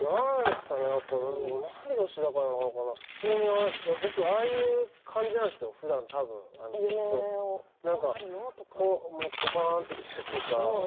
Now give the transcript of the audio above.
同い年だからかな僕、ああいう感じなんですよふだん多分きっとぽかんとしているというか。